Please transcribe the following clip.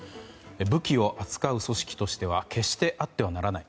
武器を扱う組織としては決してあってはならない。